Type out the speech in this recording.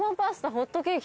ホットケーキ。